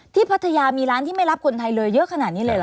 พัทยามีร้านที่ไม่รับคนไทยเลยเยอะขนาดนี้เลยเหรอ